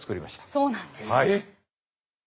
そうなんです。